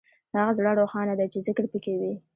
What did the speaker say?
هغه زړه روښانه دی چې ذکر پکې وي.